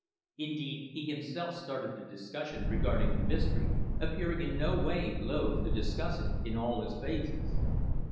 Indeed, he himself started the discussion regarding the mystery, appearing in no way loth to discuss it in all its phases.